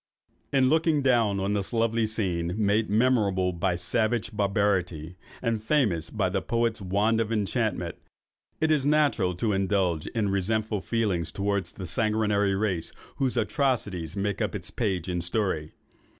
In looking down on this lovely scene, made memorable by savage barbarity, and famous by the poet's wand of enchantment, it is natural to indulge in resentful feelings towards the sanguinary race whose atrocities make up its page in story.